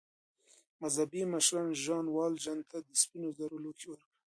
مذهبي مشر ژان والژان ته د سپینو زرو لوښي ورکړل.